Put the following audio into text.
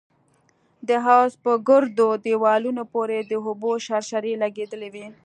د حوض په ګردو دېوالونو پورې د اوبو شرشرې لگېدلې وې.